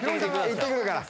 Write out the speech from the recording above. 行ってくるから。